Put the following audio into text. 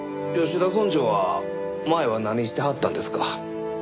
吉田村長は前は何してはったんですか？